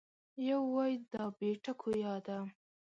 یو وای دا بې ټکو یا ده